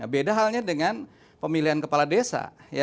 beda halnya dengan pemilihan kepala desa